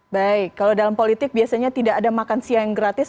baik kalau dalam politik biasanya tidak ada makan siang gratis